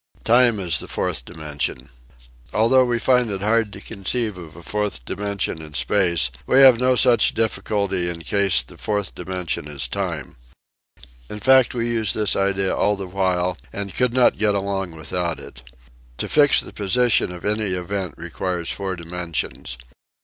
TIME AS THE FOURTH DIMENSION Although we find it hard to conceive of a fourth dimension in space we have no such difficulty in case the fourth dimension is time. In fact, we use this idea TIME AS THE FOURTH DIMENSION 31 all the while and could not get along without it. To fix the position of any event requires four dimensions.